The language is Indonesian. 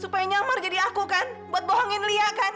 supaya nyamar jadi aku kan buat bohongin lia kan